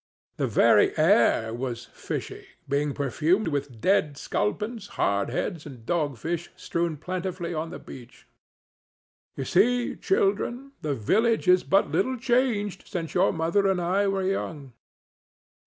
The very air was fishy, being perfumed with dead sculpins, hard heads and dogfish strewn plentifully on the beach.—You see, children, the village is but little changed since your mother and I were young.